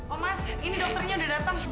omas ini dokternya udah datang